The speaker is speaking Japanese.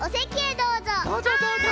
どうぞどうぞ。